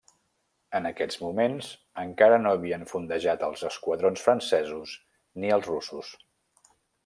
En aquests moments, encara no havien fondejat els esquadrons francesos ni els russos.